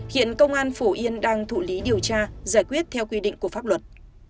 hiện công an phổ yên đang thụ lý điều tra giải quyết theo quy định của pháp luật